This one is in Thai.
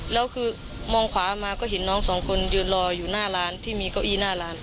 แล้วคือมองขวามาก็เห็นน้องสองคนยืนรออยู่หน้าร้านที่มีเก้าอี้หน้าร้าน